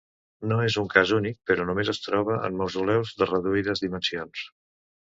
No és un cas únic, però només es troba en mausoleus de reduïdes dimensions.